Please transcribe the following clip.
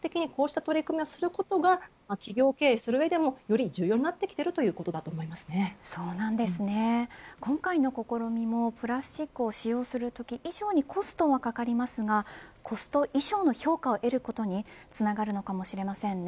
なので、戦略的にこうした取り組みをすることが企業経営する上でもより重要になってきていると今回の試みもプラスチックを使用するとき以上にコストはかかりますがコスト以上の評価を得ることにつながるのかもしれません。